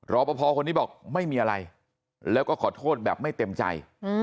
รอปภคนนี้บอกไม่มีอะไรแล้วก็ขอโทษแบบไม่เต็มใจ